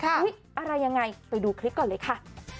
อะไรยังไงไปดูคลิปก่อนเลยค่ะ